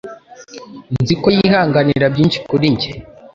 Nzi ko yihanganira byinshi kuri njye.